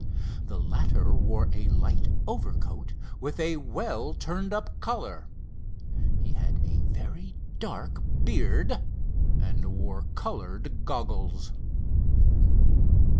The latter wore a light overcoat with a well turned up collar. He had a very dark beard, and wore colored goggles.